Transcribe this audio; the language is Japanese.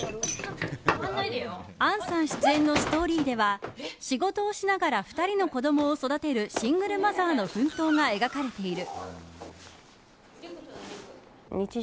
杏さん出演のストーリーでは仕事をしながら２人の子供を育てるシングルマザーの奮闘が描かれている。